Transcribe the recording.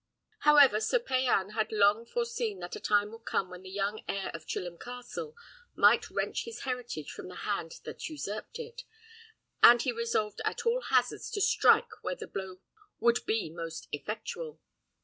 However, Sir Payan had long foreseen that a time would come when the young heir of Chilham Castle might wrench his heritage from the hand that usurped it, and he resolved at all hazards to strike where the blow would be most effectual.